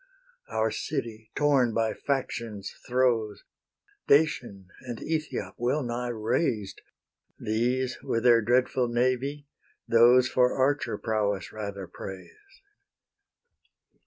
Our city, torn by faction's throes, Dacian and Ethiop well nigh razed, These with their dreadful navy, those For archer prowess rather praised.